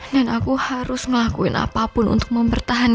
dan aku harus ngelakuin apapun untuk mencintai aksan